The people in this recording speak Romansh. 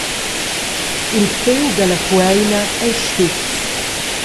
Il fiug ella fueina ei stezs.